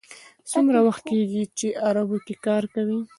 څومره وخت کېږي عربو کې کار کوئ.